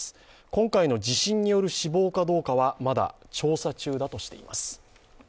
今回の地震による死亡かどうかはまだ調査中だとしています。